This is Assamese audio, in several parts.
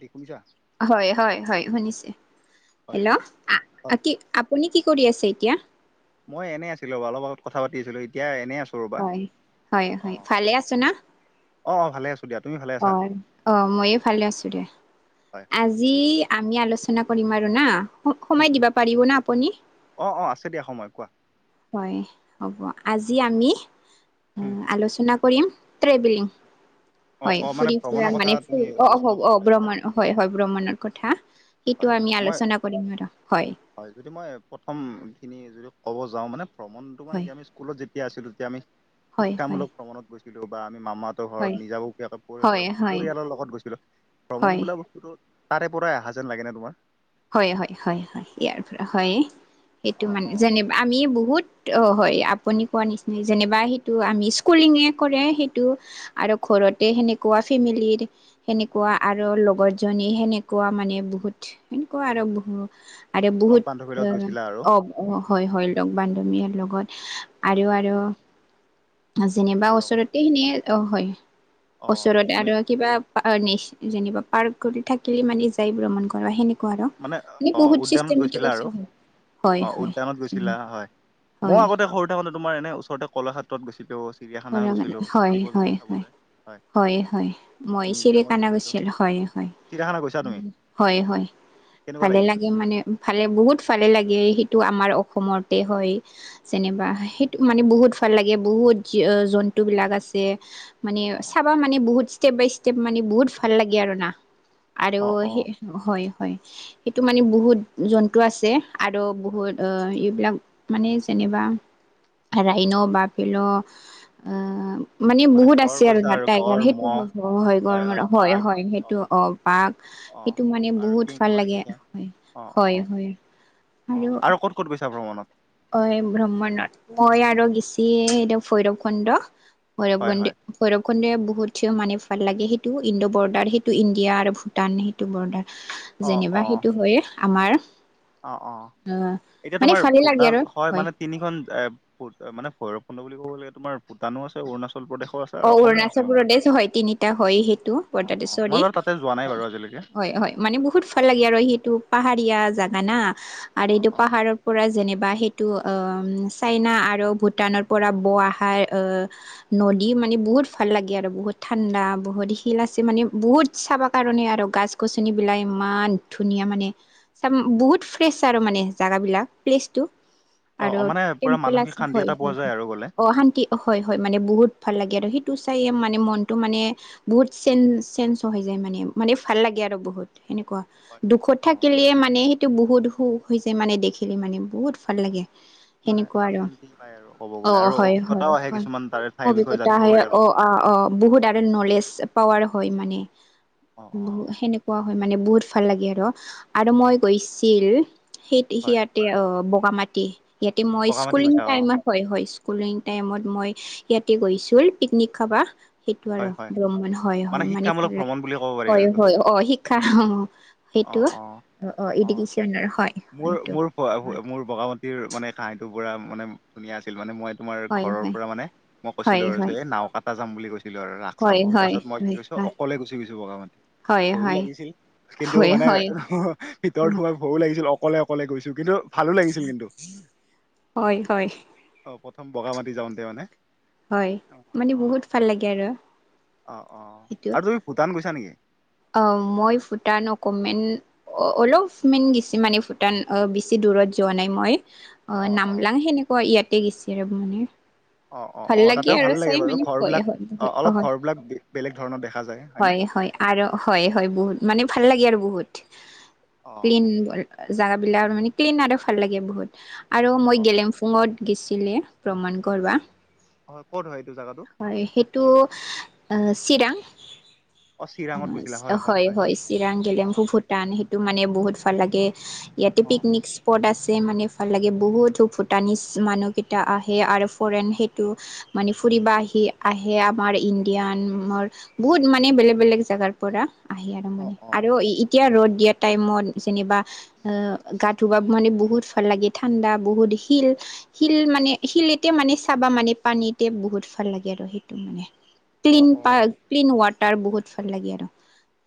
দেখোইছা। হয় হয় হয় শুনিছে। হয় হেল্ল', হয়। হয়, কি আপুনি কি কৰি আছে? এতিয়া। মই এনে আছিলোঁ, মানুহ লগত অলপ কথা পাতি আছিলোঁ, এতিয়া এনে আছিলোঁ। হয়, হয় হয় ভালে আছে না। অ' ভালে আছোঁ। অ', অ' মইও ভালে আছোঁ দিয়া। হয়। আজি আমি আলোচনা- সেইদিনা কৰিম আৰু না। সময় উম্ দিব উম্, পাৰিব না আপুনি অ', অ' আছে দিয়া সময় কোৱা। হয় হ'ব, আজি আমি হুম হুম। আলোচনা কৰিম। ত্ৰেবিলিং। অ হয়, অ মানে ফুৰি ফুৰা ভ্ৰমণৰ কথা মানে তুমি অ', আলোচনা কৰিম অ' বুলি ভাবিছা? ভ্ৰমণ হয় হয়, ভ্ৰমণৰ কথা। সেইটো হয় আমি হয় মই, আলোচনা কৰিম আৰু হয় যদি মই প্ৰথম খিনি যদি ক'ব যাওঁ মানে ভ্ৰমনটো মানে হয় কি আমি স্কুলত যেতিয়া আছিলোঁ তেতিয়া আমি হয় হয় শিক্ষামূলক ভ্ৰমনত গৈছোঁ। ৰ'বা আমি। মামাহঁতৰ ঘৰত হয় নিজা ববীয়া কাপোৰ আৰু হয় হয় পৰিয়ালৰ লগত গৈছিলোঁ, ভ্ৰমন হয় বোলা বস্তুতো তাৰে পৰাই অহা যেন লাগে নে তোমাৰ। হয় হয় হয় হয় ইয়াৰ পৰা হয়ে, সেইটো অ মানে অ। যেনে আমি বহুত অ' হয়, আপুনি কোৱা নিচিনাই যেনিবা সেইটো আমি স্কুলিঙে কৰে সেইটো আৰু ঘৰত। ঘৰতে সেনেকুৱা ফেমিলিৰ, সেনেকুৱা আৰু লগৰ জনী সেনেকুৱা মানে বহুত। আকৌ আৰম্ভ হ'ব। আৰু লগ বহুত বান্ধৱীৰ লগত গৈছিলা আৰু। অ', উম অ' হয় হুম। হয় লগ বান্ধৱীয়ে লগত। আৰু আৰু। যেনিবা লগতে ওচৰতে সেনেয়ে অ' হয়, অ ওচৰতে তুমি আৰু কিবা। যেনিবা, পাৰ্ক থাকিলে মানে যাই ভ্ৰমণ কৰা সেনেকুৱা। মানে কত অ বহুত উদ্যানত চিষ্টেমেটিক গৈছিলা আৰু আছে। হয় হয়। মই হয় আগতে সৰু থাকোতে তোমাৰ এনে ওচৰতে কলাক্ষেত্ৰত গৈছিলোঁ। হয় মই চিৰিকানা গৈছিলো হয় চিৰিয়াখানা গৈছা তুমি হয় হয়। কেনেকুৱা ভালে লাগিছিল লাগে মানে ভালে বহুত ভালে লাগে সেইটো আমাৰ অসমতে হয়। যেনিবা অ সেইটো মানে বহুত ভাল লাগে, বহুত জন্তু বিলাক আছে। মানে অ চাবা মানে বহুত ষ্টেপ বাই ষ্টেপ মানে বহুত ভাল লাগে আৰু না। আৰু অ অ অ সে হয় হয়, সেইটো মানে বহুত জন্তু আছে। আৰু হয় বহুত এইবিলাক মানে যেনিবা ৰাইন' বাফেল'। অ'। মানে বহুত গড় আছে আৰু কৈছা না টাইগাৰ গড় সেইটো মহ হয়, হয় হয় সেইটো অ' পাক- অ সেইটো মানে আৰু বহুত ভাল সিংহ লাগে, দেখিছা হয় অ অ হয় হয়। অ' আৰু ক'ত ক'ত গৈছা ভ্ৰমণত। অ ভ্ৰম্মণত মই আৰু গেচি এইটো ভৈৰৱ খণ্ড ভৈৰৱ হয় হয় মন্দিৰ বহুত মানে ভাল লাগে। সেইটো ইণ্ডো বৰ্ডাৰ সেইটো ইণ্ডিয়া আৰু ভূটান সেইটো বৰ্ডাৰ অ যেনিবা অ সেইটো হয়ে আমাৰ, অ অ আহ এতিয়া মানে তোমাৰ ফালে লাগে আৰু ভূটান হয় মানে তিনিখন মানে ভৈৰৱ কুণ্ড বুলি ক'ব লাগে তোমাৰ ভূটানো আছে অৰুণাচল প্ৰদেশো আছে অ আৰু অসমো আছে অৰুণাচল মানে প্ৰদেশ হয় তিনিটা হয় সেইটো [inaudible] অ অ মই বাৰু তাতে যোৱা নাই বাৰু হয় আজিলৈকে হয় - হয় মানে বহুত ভাল লাগে, আৰু সেইটো পাহাৰীয়া জাগা হয় না আৰু অ এইটো অ পাহাৰৰ পৰা যেনিবা এইটো চাইনা আৰু ভূটানৰ পৰা বৈ অহা নদী দি মানে বহুত ভাল লাগে, আৰু বহুত ঠাণ্ডা বহুত শিল আছে মানে বহুত চাব কাৰণে আৰু গাছ গছনি বিলাক ইমান ধুনীয়া মানে চ বহুত ফ্ৰেছ আৰু মানে জোগাবিলাক মানে প্লেচটো অ আৰু অ মানে পুৰা টেম্পেল মানসিক আছে। শান্তি হয় এটা পোৱা যায় আৰু গ'লে -। অ, শান্তি হয় -হয় মানে বহুত ভাল লাগে আৰু সেইটো চাই মানে মনত মানে বহুত চে - চেনজ হৈ যায় মানে - মানে ভাল লাগে। বহুত সেনেকুৱা হয় হয় দুখত অ থাকিলে মানে সটো বহুত সুখ হৈছে মানে দেখিলে মানে বহুত ভাল লাগে মানে সেনেকুৱা আৰু শান্তি পায় আৰু ক'ব অ গ'লে আৰু হয় হয় অভিজ্ঞতাও আহে হয় কিছুমান তাৰে ঠাইৰ বিষয়ে অভিজ্ঞতা জানিব আহ পাৰি অ অলপমান -অ -অ। বহুত আৰু নলেজ পোৱাৰ হয় মানে অ ব অ সেনেকুৱা হয় মানে বহুত ভাল লাগে আৰু - আৰু মই হয় গৈছিল সেই হয়, সিয়াতে অ বগামাটি ইয়াতে মই বগামাটি স্কুলিং গৈছা অ টাইম হয়- হয় স্কুলিং টাইমত মই ইয়াতে গৈছিলো পিকনিক খাবা সেইটো আৰু হয় হয় ব্ৰণ, হয় -হয় মানে শিক্ষামূলক ভ্ৰমণ বুলি ক'ব পাৰি আৰু হয় এইটো -হয় অ শিক্ষাৰ অ অ সেইটো -অ -অ, ইডুকেশ্যনৰ হয় মোৰ হয়টো -মোৰ- মোৰ বগ মাটিৰ মানে ঠাইতো পুৰা মানে ধুনীয়া আছিল মানে মই তোমাৰ হয় ঘৰৰ হয় পৰা মানে মই কৈছিলো হয় আৰু যে হয় এই নাওকটা যাম বুলি কৈছিলো লো আৰু ৰাস চাব। হয় তাৰ হয় পিছত, মই হয় কি কৰি ছো হয় অকলে গুচি গৈছো বগা মাটি হয় হয় ভয়ো হয় লাগিছিল কিন্তু মানে হয় ভিতৰত সোমাই ভয়ো লাগিছিল অকলে- অকলে গৈছো। কিন্তু ভালো লাগিছিল কিন্তু হয় হয় অ বগা মাটতি যাওঁতে মানে হয় অ মানে অ বহুত ভাল লাগে। আৰু অ -অ, সেইটো আৰু তুমি ভূটান গৈছা নেকি? অ, মই ভূটান অকমান অ -অলপমান গেছি মানে ভূটান অ বেছি দূৰত যোৱা নাই মই। অ নামলাং সেনেকুৱা ইয়াতে গছে আৰু মানে অ- অ- ভাল অ। লাগে তাতেও আৰু ভাল লাগে চাই বাৰু, মানে ঘৰ হয় বিলাক হয় বহুত অ অলপ হয় ঘৰ বিলাক বেলেগ ধৰণৰ দেখা যায়, হয়নে? হয় হয় আৰু হয়- হয়। বহুত মানে ভাল লাগে আৰু বহুত অ ক্লিন জোগাবিলাক মানে, ক্লিন আৰু ভাল লাগে বহুত। আৰু মই অ গেলেমফুঙত গৈছিলে ভ্ৰমণ কৰবা। হয় ক'ত হয় এইটো জেগাটো হয় সেইটো চিৰাং হয়- হয়। চিৰাং অ গেলেমু ভূটান সেইটো মানে বহুত ভাল লাগে, ইয়াতে অ পিকনিক স্পট আছে মানে ভাল লাগে বহুতো ভুটানিছ মানুহ কেইটা আহে আৰু ফৰেন সেই মানে ফুৰিব আহি আহে, আমাৰ ইণ্ডিয়ানৰ বহুত মানে বেলেগ বেলেগ জেগা জেগাৰ পৰা আহে আৰু অ মানে অ আৰু এতিয়া ৰ'দ দিয়া টাইমত যেনিবা অ গা ধুব মানে বহুত ভাল লাগে। ঠাণ্ডা বহুত শিল - শিল - শিল মানে এতিয়া চাব মানে পানীতে বহুত ভাল লাগে আৰু, সেইটো মানে অ ক্লিন অ পা ক্লিন ৱাটাৰ তাৰ বহুত ভাল লাগে, আৰু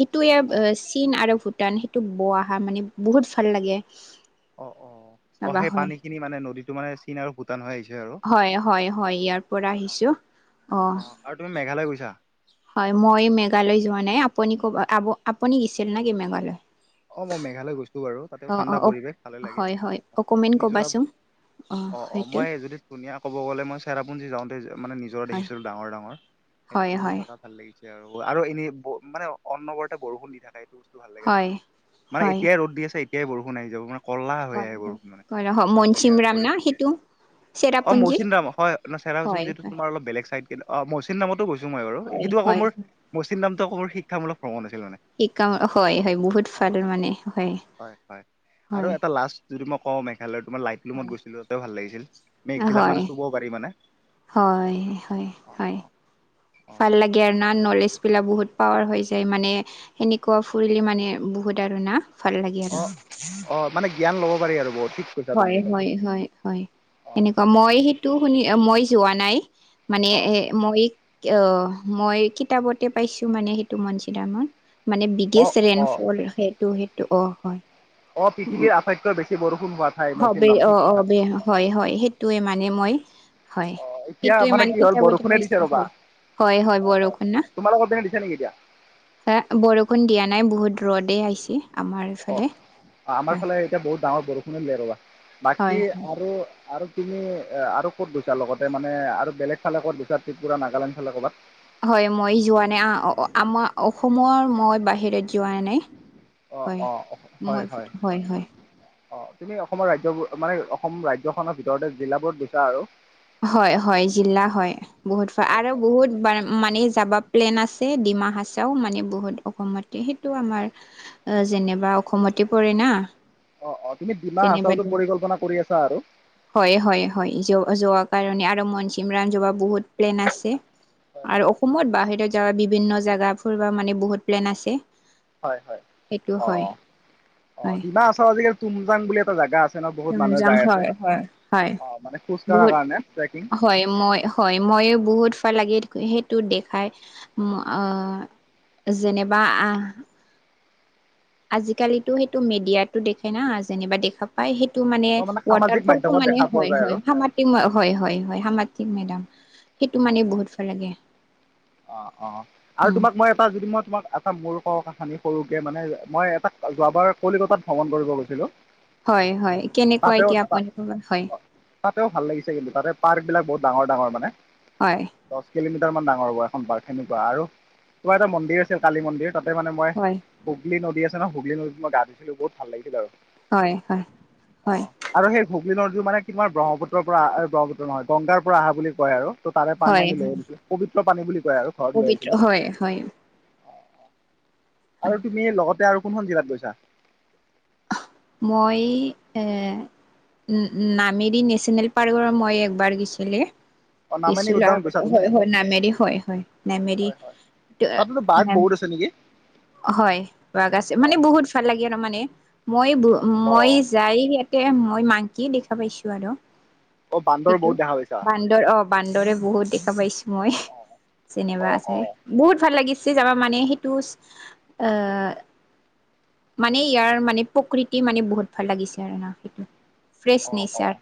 সেইটো অ ইয়াৰ অ চীন আৰু ভূ টান সেইটো বৈ অহা মানে বহুত ভাল লাগে। অ- অ- অ। চাবা সেই হয়। পানীখিনি মানে নদীটো মানে চীন আৰু ভূটান হৈ আহিছে আৰু হয় হয় ইয়াৰ পৰা অ আহিছে অ আৰু তুমি মেঘালয় গৈছা? হয়, মই মেঘালয় যোৱা নাই, আপুনি কব আপুনি গৈছিল নে কি মেঘালয়? অ', মই মেঘালয় গৈছো বাৰু তাতে অ অ ঠাণ্ডা অ পৰিৱেশ ভালে লাগে, হয় হয় অকমেণ্ট নিজৰ ক'বাচোন অ', অ', মই যদি ধুনীয়া ক'ব গ'লে মই চেৰাপুঞজী যাওঁ। মানে নিজৰা হয় দেখিছিলো ডাঙৰ ডাঙৰ, হয় সেইটো হয় জেগাত ভাল লাগিছিল। আৰু এনেই মানে অন্নবৰতে বৰষুণ দি থাকে এইটো বস্তু ভাল লাগে হয় তাতে। মানে হয় এতিয়াই ৰদ দি আছে এতিয়াই বৰষুণ আহি যাব মানে। ক'লা হৈ হয় আহে বৰষুণ মানে হয় ৰ ভাল লাগে মনচিম আৰু ৰাম পৰিৱেশ ন সেইটো। অ', চেৰাপুঞ্জী মৌচিন ৰাম হয়, হয় চেচোন যটো হয় তোমাৰ অলপ বেলেগ চাইড। কিন্ত অ', মৌচিন নামতো গৈছো মই বাৰু, হয় সেইটো আকৌ হয় মোৰ মৌচিন নামটো আক মোৰ শিক্ষামূক ভ্ৰমণ আছিল। মানে [unintelligible] হয় হয় বহুত অ [unintelligible] মানে হয় আৰু হয়। এটা লাষ্ট যদি মই কওঁ মেঘালয়ৰ তোমাৰ লাইটলুমত হয় গৈছিল, ত ভাল লাগিছিল মেঘ বিলাক হয় মানে চুব পাৰি মানে। হয় হয় অ হয়, অ ভাল অ লাগে আৰু ন নলেজ বিলাক বহুত পাৱাৰ হৈছে যায়, মানে সেনেকুৱা ফুৰিলি মানে বহুত আৰু না। ভাল লাগে আৰু। অ অ মানে জ্ঞান লব পাৰি আৰু বহুত। ঠিক কৈছা তুমি হয় একদম হয় হয় হয়, অ সেনেকুৱা অ মই সেইটো শুনি মই যোৱা নাই। মানে অ এ মই আহ মই কিতাপতে পাইছো মানে সেইটো মঞ্চিৰামত। মানে অ বিগেষ্ট ৰেইন অ ফল সেইটো সেইটো অ', হয়। অ', পৃথিৱীৰ আটাইতৈ বেচি বৰষুণ হোৱা থাই। হব অ', অ', হয় হয় সেইটোয়ে মানে মই হয়, অ এতিয়া সেইটোৱে মানে কি হ'ল কিতাবতে বৰষুণে দিছে পাইছো, ৰবা হয় হয় হয় বৰষুণ ন। তোমালোকৰ পিনে দিছে নেকি এতিয়া বৰষুণ দিয়া নাই বহুত ৰ'দেই আহিছে। আমাৰ অ', ইফালে অ', আমাৰ হয় ফালে এতিয়া বহুত ডাঙৰ বৰষুণিনে দিলে ৰবা বাকী হয় হয় আৰু আৰু তুমি আৰু ক'ত গৈছা লগতে মানে আৰু বেলেগ ফালে ক'ত গৈছা ত্ৰিপুৰা নাগালেণ্ড ফালে কৰ'ৰবাত? হয় মই যোৱা নাই আমাৰ অসমৰ মই বাহিৰত যোৱা নাই। অঁ হয়, অঁ মই হয় হয়। অ', তুমি অসমৰ ৰাজ্যবোৰ মানে অসম ৰাজ্যখনৰ ভিতৰতে জিলাবোৰ গৈছা আৰু। হয় হয় জিলা হয় বহুত হয় আৰু হয় বহুত মানে যাবা প্লেন আছে ডিমাহা চাও মানে বহুত অসমতে সেইটো আমাৰ যেনেবা অসমতে পৰে না। অঁ অঁ তুমি ডিমা যেনেবাদ, হাচাওতো পৰিকল্পনা কৰি আছা আৰু হয় হয় হয় যোৱ কাৰণে আৰু মনচিম ৰানজা বহুত প্লেন আছে, হয় আৰু হয় অসমত বাহিৰত যাৰ বিভিন্ন জেগা ফৰিবা মানে বহুত প্লেন আছে। হয় হয় সেইটো হয় অ', অ', ডিমাহাছাওৰ আজিকালি তুমজাং বুলি এটা জোগা আছে। ন বহুত মানুহে তুমজাং, যাই আছে হয় হয় হয় অঁ মানে খোজ কঢ়াৰ বহুত কাৰণে ট্ৰেকিং হয়, মই হয় মই ময়ো বহুত [unintelligible] সেইটো দেখাই, আহ, যেনেবা আহ আজিকালিতো সেইটো মিডিয়াতো দেখে না যেনিবা দেখা পায় সেই টো মানে অঁ সামাজিক ৱাটাৰফল মাধ্যমত মানে দেখা পোৱা হয় যায় আৰু হয় হয় হয় হয় মেড সেইটো মানে হয় হয় বহুত ভাল লাগে। অ', অ', আৰু উম তোমাক মই এটা যদি মই তোমাক এটা মোৰ কও কাহানি। সৰুকে মানে মই এটা যোৱাবাৰ কলিকতাত ভ্ৰমণ কৰিব গৈছিলো। হয় হয়, কেনেকুৱা এতিয়া আপুনি, হয়। ভাল লাগিছে কিন্তু, তাতে পাৰ্ক বিলক বহুত ডাঙৰ ডাঙৰ মানে, হয় দশ কিলোমিটাৰ মান ডাঙৰ হ'ব এখন পাৰ্ক সেনেকুৱা, আৰু কিবা এটা মন্দিৰ আছিল কালি মন্দিৰ। তাতে মানে মই, হয় হুগলী নদী আছে ন হুগলী নদীত মই গা ধই ছিলো দিছিলো বহুত ভাল লাগিছিল আৰু। হয়, হয়। অ' [unintelligible] ব্ৰহ্মপুত্ৰৰ আহ ব্ৰহ্মপুত্ৰ নহয় গংগাৰ পৰা আহা বুলি কয় আৰু। ত' তাৰে পানী হয় আমি লৈ হয় আহিছোঁ। পবিত্ৰ পানী বুলি কয় আৰু ঘৰত লৈ পবিত্ৰ আহিছিলোঁ। হয় হয় হয় আৰু তুমি লগতে আৰু কোনখন জিলাত গৈছা? মই এ উম', উম'। নামেৰি নেশ্যনেল পাৰ্কৰ মই একবাৰ গৈছিলি। অ' নামেনি গিছিলোঁ উদ্যান আগতে গৈছা তুমি হয়, হয়। নামেৰি হয়, হয়, নেমেৰি। তাতেটো বাঘ বহুত আছে নেকি? হয়, বাঘ আছে, মানে অ'। বহুত ভাল লাগে আৰু মানে। মই ব' মই অ', যায় ইয়াতে মই মাংকী দেখা পাইছোঁ আৰু। অ', বান্দৰ সেইটো বহুত দেখা পাইছা? বান্দৰ অহ, বান্দৰে বহুত দেখা পাইছোঁ মই। অ', অ'। যেনেবা অ', আছে অ', বহুত ভাল লাগিছে জাগা মানে সেইটো অহ মানে ইয়াৰ মানে প্ৰকৃতি মানে বহুত ভাল লাগিছে আৰু না সেইটো। ফ্ৰেছ অ', অ', নেচাৰ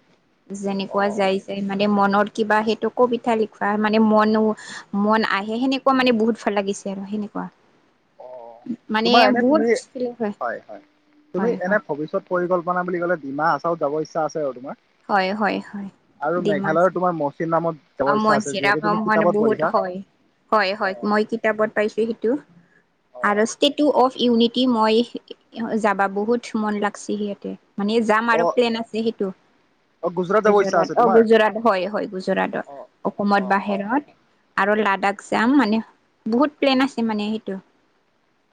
যেনেকুৱা অ', যায় যায় মানে মনত কিবা সেইটো কবিতা লিখা মানে মনো মন আহে সেনেকুৱা মানে বহুত ভাল লাগিছে আৰু সেনে সেনেকুৱা অ'। মানে তোমাৰ এনে বহুত তুমি [unintelligible] হয়। তুমি হয় হয় এনেই ভৱিষ্যত পৰিকল্পনা বুলি ক'লে ডিমা আচাও যাব ইচ্ছা আছৈ আৰু তোমাৰ। হয় হয় হয় আৰু মেঘালয়ৰ তোমাৰ মচিৰ নামত মচিৰামান বহুত হয়, হয়, হয়। অ'। মই কিতাপত পাইছোঁ সেইটো। অ', আৰু ষ্টেটু অফ ইউনিটি মই যাবা বহুত মন লাগছি সিয়াতে। মানে যাম আৰু অ', প্লেন আছে সেইটো, অ', যাব ইচ্ছা গুজৰাট আছে অহ, তোমাৰ? গুজৰাট হয়, হয়, গুজৰাটত। অ'। অসমত অ', অ', বাহিৰত। আৰু লাডাখ যাম মানে, বহুত প্লেন আছে মানে সেইটো।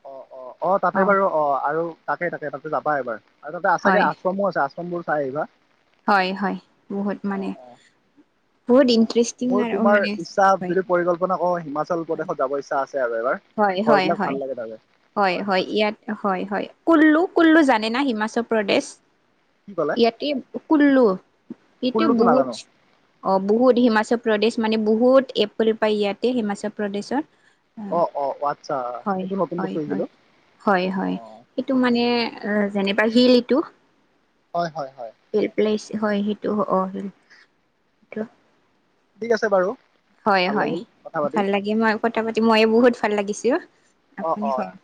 অহ', অহ', অহ'। অ তাতে বাৰু অহ, আৰু তাকেই তাকে তাতে যাবা এবাৰ আৰু তাতে হয় আছাগে আশ্ৰমো আছে আশ্ৰম। আশ্ৰমবোৰ চাই আহিবা। হয়, হয়, বহুত মানে। অ', অ'। বহুত ইন্টাৰেষ্টিং মোৰ আৰু তোমাৰ মানে ইচ্ছা হয়। যদি [unintelligible] হিমাচল হয় প্ৰদেশত যাব ইচ্ছা আছে। আৰু এবাৰ। হয়, হয়, ঘৰবিলাক ভাল হয়। লাগে তাৰে হয়, হয়, ইয়াত হয়, কুল্লু কুল্লু জানে না হিমাচল প্ৰদেশ কি ক'লে ইয়াতে কুল্লু এইটো কুল্লুটো বহুত নাজানো অহ বহুত হিমাচল প্ৰদেশ মানে বহুত এপ্ৰল পায় ইয়াতে হিমাচল প্ৰদেশত। অহ', অহ', আচ্ছা। হয় এইটো নতুন হয় বস্তু হয় শিকিলোঁ। হয়, হয়। সেইটো মানে যেনেবা শিল এইটো। হয়, হয়, হয়। হিল প্লেচ হয়, সেইটো অহ, সেইটো। ঠিক আছে বাৰু। হয়, ভাল হয়। লাগিল কথা পাতি ভাল লাগিল মই কথা পাতি মইয়ে বহুত ভাল লাগিছে। অ আপুনি অ ক'।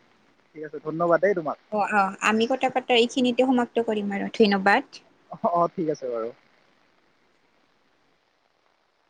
ঠিক আছে ধন্যবাদ দেই তোমাক অ', অ', আমি কথা পাতা এইখিনিতে সমাপ্ত। কৰিম আৰু ধন্যবাদ। অহ, ঠিক আছে বাৰু।